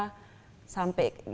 jadi itu yang saya lakukan